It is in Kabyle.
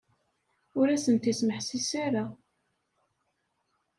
Ur asent-ismeḥsis ara.